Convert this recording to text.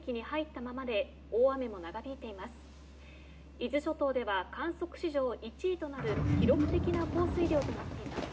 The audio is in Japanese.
伊豆諸島では観測史上１位となる記録的な降水量となっています。